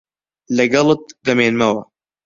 لەگەڵت دەمێنمەوە.